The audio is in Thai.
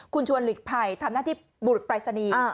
คุณชวนหลีกภัยทำหน้าที่บุตรปรายศนีย์